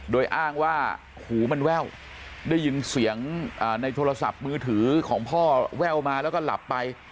โดยอ้างว่าหูมันแว่วได้ยินเสียงในโทรศัพท์มือถือของพ่อแว่วมาแล้วก็หลับไป